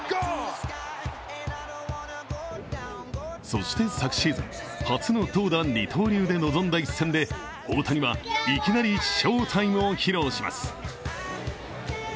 そして昨シーズン、初の投打二刀流で臨んだ一戦で大谷はいきなり翔タイムを披露します。